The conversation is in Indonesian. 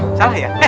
eh salah ya